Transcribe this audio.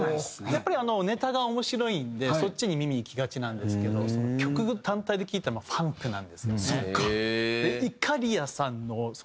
やっぱりネタが面白いんでそっちに耳いきがちなんですけど曲単体で聴いたらファンクなんですよね。